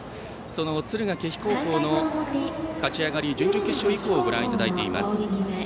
その敦賀気比高校の勝ち上がり準々決勝以降をご覧いただいています。